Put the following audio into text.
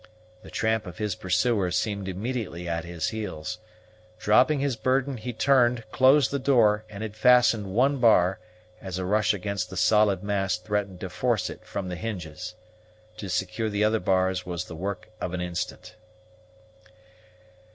The tramp of his pursuers seemed immediately at his heels. Dropping his burden, he turned, closed the door, and had fastened one bar, as a rush against the solid mass threatened to force it from the hinges. To secure the other bars was the work of an instant.